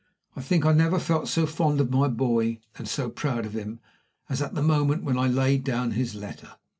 I think I never felt so fond of my boy, and so proud of him, as at the moment when I laid down his letter.